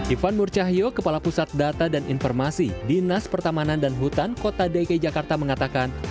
ivan murcahyo kepala pusat data dan informasi dinas pertamanan dan hutan kota dki jakarta mengatakan